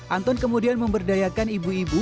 anton kemudian memberdayakan ibu ibu